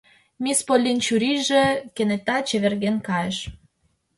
Мисс Поллин чурийже кенета чеверген кайыш: